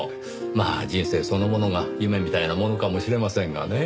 まあ人生そのものが夢みたいなものかもしれませんがね。